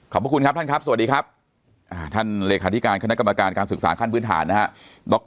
ขอบคุณครับท่านครับสวัสดีครับท่านเลขาธิการคณะกรรมการการศึกษาขั้นพื้นฐานนะครับ